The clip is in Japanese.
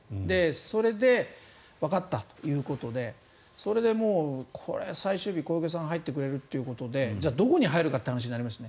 それでわかったということでそれでこれは最終日小池さんが入ってくれるということでじゃあどこに入るかって話になりますね。